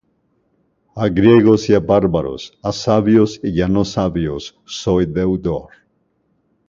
A Griegos y á bárbaros, á sabios y á no sabios soy deudor.